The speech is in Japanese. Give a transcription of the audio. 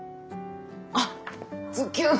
あっズッキュン！